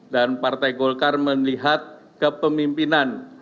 dan partai golkar melihat kepemimpinan